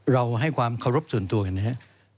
เราให้ความเคารพส่วนตัวกันนะครับ